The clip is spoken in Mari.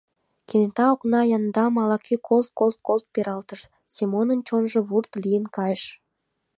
Кенета окна яндам ала-кӧ колт-колт-колт пералтышат, Семонын чонжо вурт лийын кайыш.